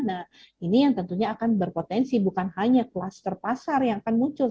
nah ini yang tentunya akan berpotensi bukan hanya kluster pasar yang akan muncul